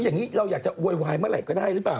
อย่างนี้เราอยากจะโวยวายเมื่อไหร่ก็ได้หรือเปล่า